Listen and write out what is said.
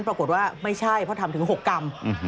ปรากฏว่าไม่ใช่เพราะทำถึง๖กรัม